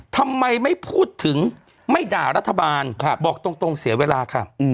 ทำไมไม่พูดถึงไม่ด่ารัฐบาลบอกตรงเสียเวลาค่ะ